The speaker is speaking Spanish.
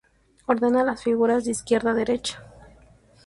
Ordena las figuras de izquierda a derecha.